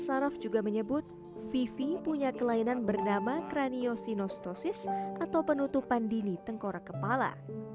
saraf juga menyebut vivi punya kelainan bernama kraniosinostosis atau penutupan dini tengkorak kepala